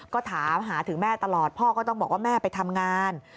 ก็ถามหาถึงแม่ตลอดพ่อก็ต้องบอกว่าแม่ไปทำงาน